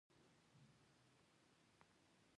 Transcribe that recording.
هغوی د سړک پر غاړه د صادق سهار ننداره وکړه.